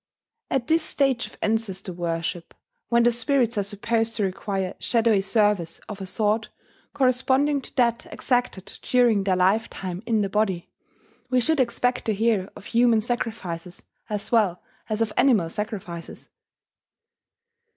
At this stage of ancestor worship, when the spirits are supposed to require shadowy service of a sort corresponding to that exacted during their life time in the body, we should expect to hear of human sacrifices as well as of animal sacrifices.